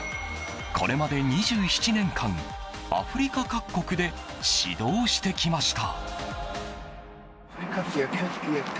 これまで２７年間アフリカ各国で指導してきました。